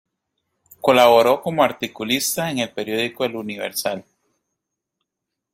Colaboró como articulista en el periódico "El Universal".